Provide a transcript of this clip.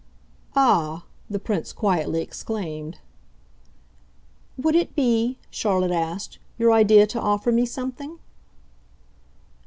"Ah!" the Prince quietly exclaimed. "Would it be," Charlotte asked, "your idea to offer me something?"